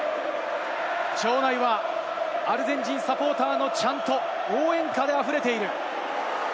場内はアルゼンチンサポーターのチャント、応援歌であふれている。